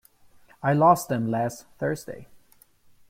I lost them last Thursday.